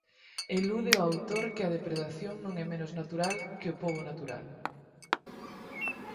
Elude o autor que a depredación non é menos natural que o "pobo natural".